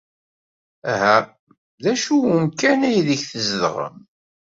Aha, d acu n wemkan aydeg tzedɣem?